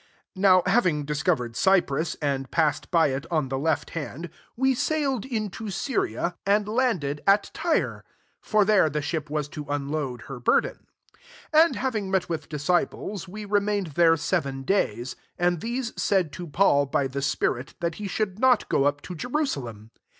3 Now ing discovered .Cyprus, passed by it on the left hi we sailed into Syria, and ACTS XXL ftS7 cd at Tyre ; for there the ship was to unload her burden. 4 And having met with disciples we remained there seven days: and these said to Paul by the spirit, that he should not go up to Jerusalem.